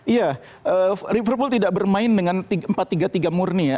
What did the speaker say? iya liverpool tidak bermain dengan empat tiga tiga murni ya